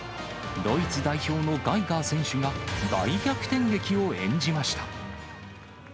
ドイツ代表のガイガー選手が、大逆転劇を演じました。